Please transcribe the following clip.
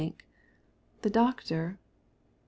The doctor.... Then...."